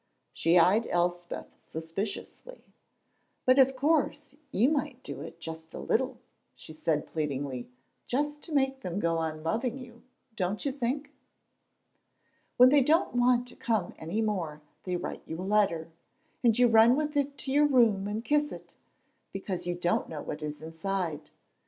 She eyed Elspeth suspiciously. "But of course you might do it just a little," she said, pleadingly "just to make them go on loving you, don't you think? "When they don't want to come any more they write you a letter, and you run with it to your room and kiss it, because you don't know what is inside.